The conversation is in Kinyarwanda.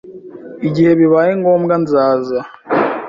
igihe bibaye ngombwa nzaza